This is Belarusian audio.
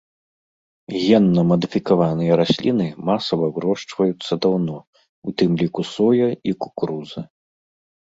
Генна-мадыфікаваныя расліны масава вырошчваюцца даўно, у тым ліку соя і кукуруза.